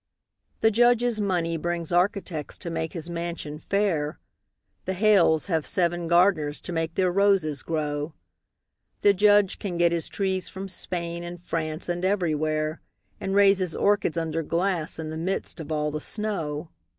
The Judge's money brings architects to make his mansion fair; The Hales have seven gardeners to make their roses grow; The Judge can get his trees from Spain and France and everywhere, And raise his orchids under glass in the midst of all the snow.